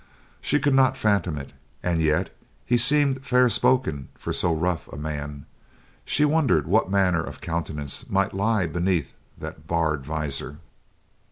She could not fathom it, and yet, he seemed fair spoken for so rough a man; she wondered what manner of countenance might lie beneath that barred visor.